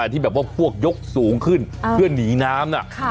ที่แบบว่าพวกยกสูงขึ้นเพื่อหนีน้ำน่ะ